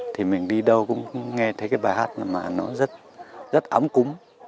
thì mình đi đâu cũng nghe thấy cái bài hát mà nó rất ấm cúng